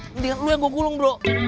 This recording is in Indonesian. mendingan lu yang gue gulung bro